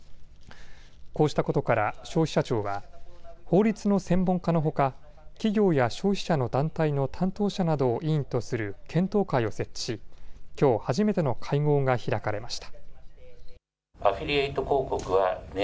こうしたことから消費者庁は法律の専門家のほか企業や消費者の団体の担当者などを委員とする検討会を設置しきょう初めての会合が開かれました。